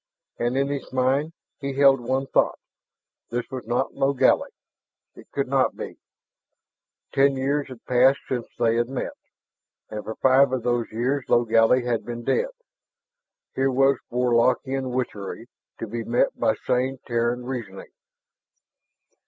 And in his mind he held one thought: this was not Logally; it could not be. Ten years had passed since they had met. And for five of those years Logally had been dead. Here was Warlockian witchery, to be met by sane Terran reasoning.